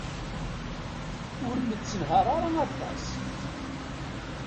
Ur nettenhaṛ ara aṭas.